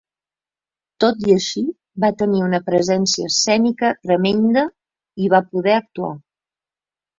Tot i així, va tenir una presència escènica tremenda i va poder actuar.